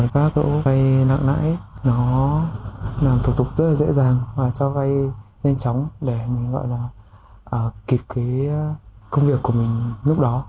các độ vay nặng nãi nó làm thủ tục rất dễ dàng và cho vay nhanh chóng để mình gọi là kịp công việc của mình lúc đó